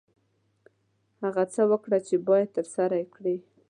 هغه څه وکړه چې باید ترسره یې کړې.